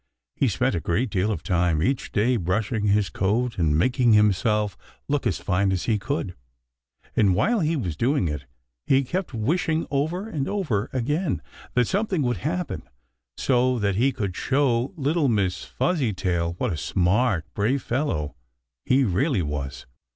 He spent a great deal of time each day brushing his coat and making himself look as fine as he could, and while he was doing it, he kept wishing over and over again that something would happen so that he could show little Miss Fuzzytail what a smart, brave fellow he really was.